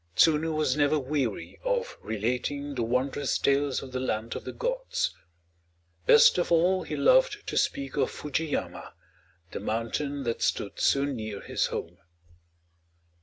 Tsunu was never weary of relating the wondrous tales of the Land of the Gods. Best of all he loved to speak of Fuji yama, the mountain that stood so near his home.